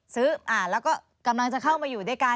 แล้วก็กำลังจะเข้ามาอยู่ด้วยกัน